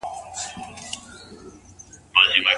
د دوی ناوړي مداخلې د هغوی خپلمنځي باور او درناوي ته ضرر رسوي.